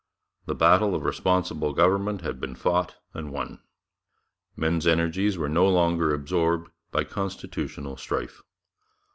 The battle of responsible government had been fought and won. Men's energies were no longer absorbed by constitutional strife.